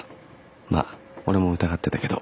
まあ俺も疑ってたけど。